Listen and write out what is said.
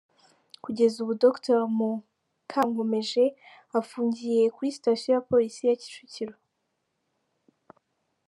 Kugeza ubu Dr Mukankomeje afungiye kuri sitasiyo ya Polisi ya Kicukiro.